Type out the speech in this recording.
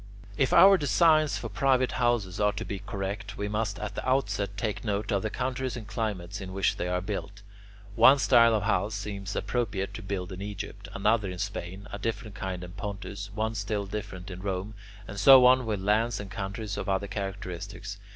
If our designs for private houses are to be correct, we must at the outset take note of the countries and climates in which they are built. One style of house seems appropriate to build in Egypt, another in Spain, a different kind in Pontus, one still different in Rome, and so on with lands and countries of other characteristics.